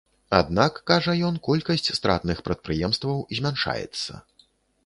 Аднак, кажа ён, колькасць стратных прадпрыемстваў змяншаецца.